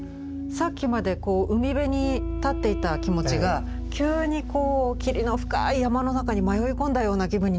さっきまでは海辺に立っていた気持ちが急に霧の深い山の中に迷い込んだような気分になりますもんね。